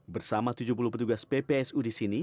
bersama tujuh puluh petugas ppsu di sini